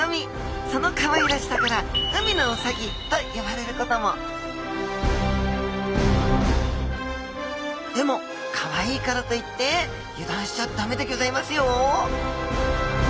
そのかわいらしさから海のウサギと呼ばれることもでもかわいいからといって油断しちゃダメでギョざいますよ。